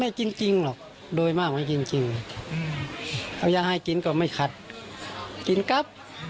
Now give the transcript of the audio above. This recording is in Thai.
จริงหรอกโดยมากไม่กินจริงเอายาให้กินก็ไม่ขัดกินครับ